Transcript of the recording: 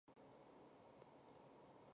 教父早期宗教作家及宣教师的统称。